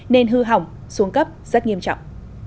nên hư hỏng xuống cấp rất nghiêm trọng